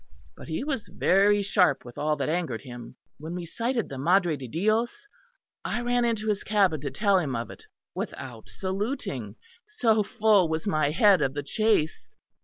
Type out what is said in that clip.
But he was very sharp with all that angered him. When we sighted the Madre di Dios, I ran into his cabin to tell him of it, without saluting, so full was my head of the chase.